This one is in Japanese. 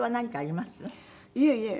いえいえ。